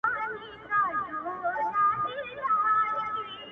زما سجده دي ستا د هيلو د جنت مخته وي _